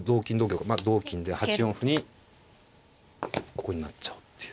まあ同金で８四歩にここに成っちゃおうっていう。